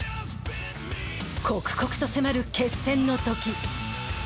刻々と迫る決戦のとき。